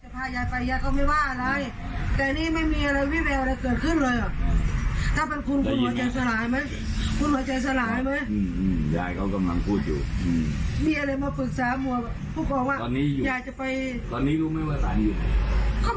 เพราะไม่รู้ต้องคำผู้ครองอย่างเดียวครูเป็นยังไงทำไมไม่บอกย้ายสักคำ